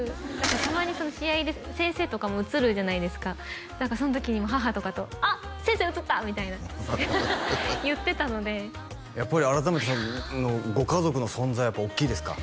たまに試合で先生とかも映るじゃないですかその時に母とかと「あっ先生映った！」みたいなアハハ言ってたのでやっぱり改めてご家族の存在大きいですか？